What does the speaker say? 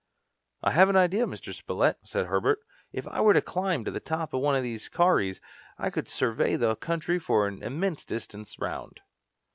"I have an idea, Mr. Spilett," said Herbert. "If I were to climb to the top of one of these kauris, I could survey the country for an immense distance round."